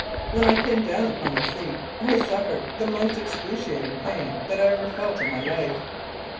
When I came down upon the seat I suffered the most excruciating pain that I ever felt in my life.